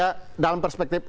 ya dalam perspektif